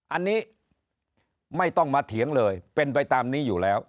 อันนี้ไม่ต้องมาเถียงเลยเป็นไปตามนี้อยู่แล้ว